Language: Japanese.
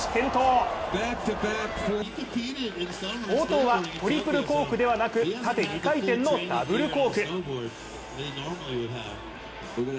冒頭はトリプクコークではなく縦２回転のダブルコーク。